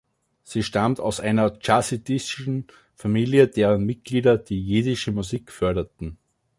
Sie stammt aus einer chassidischen Familie, deren Mitglieder die Jiddische Musik förderten.